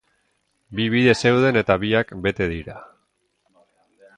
Bi bide zeuden eta biak bete dira.